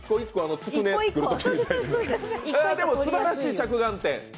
すばらしい着眼点。